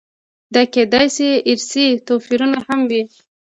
دا کېدای شي ارثي توپیرونه هم وي.